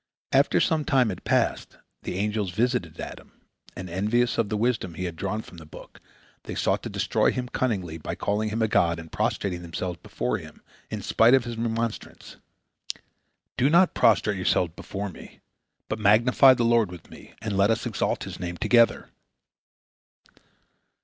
After some time had passed, the angels visited Adam, and, envious of the wisdom he had drawn from the book, they sought to destroy him cunningly by calling him a god and prostrating themselves before him, in spite of his remonstrance, "Do not prostrate yourselves before me, but magnify the Lord with me, and let us exalt His Name together."